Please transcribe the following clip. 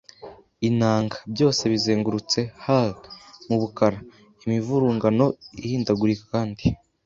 inanga. Byose bizengurutse hull, mubukara, imivurungano ihindagurika kandi